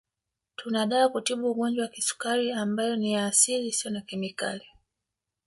Tuna dawa ya kutibu Ugonjwa wa Kisukari ambayo ni ya asili isiyo na kemikali